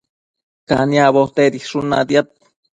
caniabo tedishun natiad